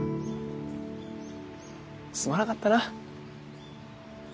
すまなかったな。